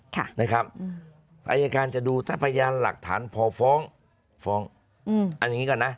ค่ะนะครับอายการจะดูถ้าพยานหลักฐานพอฟ้องฟ้องอืมอันนี้ก่อนนะ